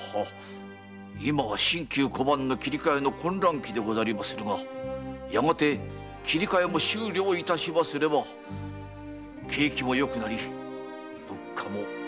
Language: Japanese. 今は新旧小判の切り換えの混乱期でござりまするがやがて切り換えも終了すれば景気もよくなり物価も安定します。